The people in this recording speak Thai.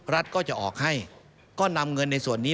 รัฐก็จะออกให้ก็นำเงินในส่วนนี้